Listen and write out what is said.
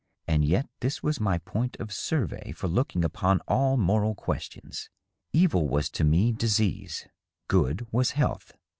And yet this was my point of survey for looking upon all moral questions. Evil was to me disease, good was health.